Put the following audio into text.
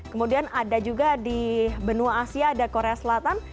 kemudian ada juga di benua asia ada korea selatan